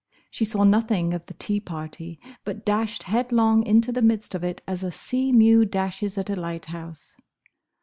She saw nothing of the tea party, but dashed headlong into the midst of it as a sea mew dashes at a lighthouse.